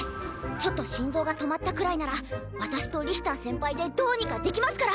ちょっと心臓が止まったくらいなら私とリヒター先輩でどうにかできますから！